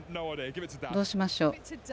どうしましょう。